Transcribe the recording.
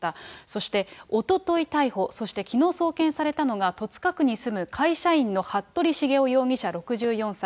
そして、おととい逮捕、そしてきのう送検されたのが、戸塚区に住む会社員の服部繁雄容疑者６４歳。